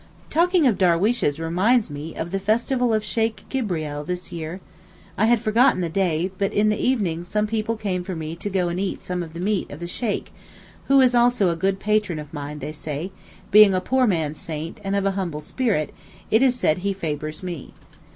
Talking of darweeshes reminds me of the Festival of Sheykh Gibrieel this year. I had forgotten the day, but in the evening some people came for me to go and eat some of the meat of the Sheykh, who is also a good patron of mine, they say; being a poor man's saint, and of a humble spirit, it is said he favours me.